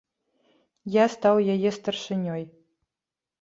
Я стаў яе старшынёй.